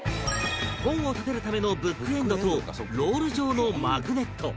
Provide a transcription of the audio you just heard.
本を立てるためのブックエンドとロール状のマグネット